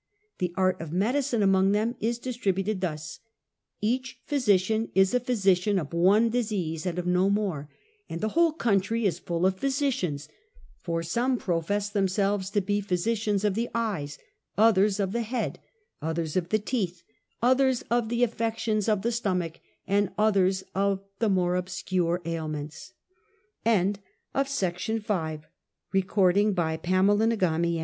The art of medicine among them is distributed thus: each physician is a physician of one disease and of no more; and the whole country is full of physicians, for some profess themselves to be physicians of the eyes, others of the head, others of the teeth, others of the affections of the stomach, and others of the more obscure ailments. Their fashions of mourning and of burial are th